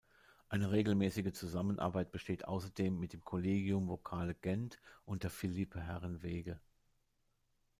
Eine regelmäßige Zusammenarbeit besteht außerdem mit dem Collegium Vocale Gent unter Philippe Herreweghe.